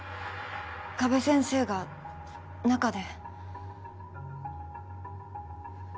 加部先生が中で。